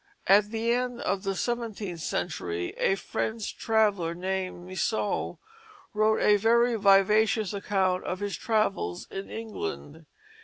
At the end of the seventeenth century a French traveller, named Misson, wrote a very vivacious account of his travels in England.